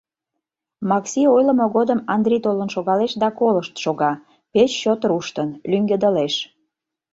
Макси ойлымо годым Андри толын шогалеш да колышт шога, пеш чот руштын, лӱҥгедылеш.